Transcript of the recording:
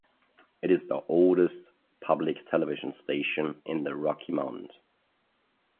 It is the oldest public television station in the Rocky Mountains.